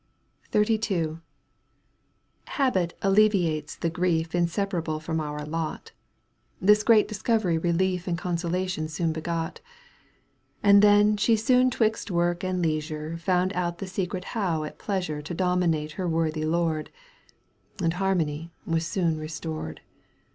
: Digitized by VjOOQ 1С 56 EUGENE ONEGUINE. canto ii. XXXII. / 1 Habit alleviates the grief Inseparable from our lot ; This great discovery relief And consolation soon begot. And then she soon 4wixt work and leisure Found out the secret how at pleasure To dominate her worthy lord, And harmony was soon restored.